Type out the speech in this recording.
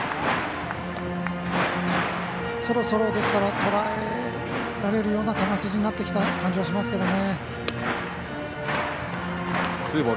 そろそろとらえられるような球筋になってきた感じがしますね。